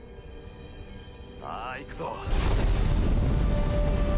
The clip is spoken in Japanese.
「さあ行くぞ！」